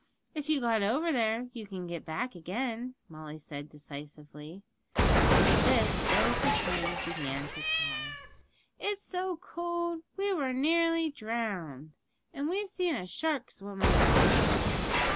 'If you got over there you can get back again,' Molly said decisively. At this both the twins began to cry. 'It's so cold; we was nearly drownded; and we've seen a shark swim along.'